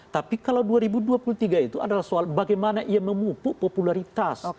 tapi kalau dua ribu dua puluh tiga itu adalah soal bagaimana ia memupuk popularitas